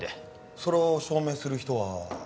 それを証明する人は？